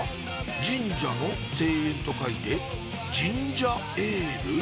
「神社の声援」と書いてジンジャエール？